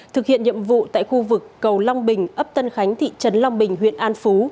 thực hiện nhiệm vụ tại khu vực cầu long bình ấp tân khánh thị trấn long bình huyện an phú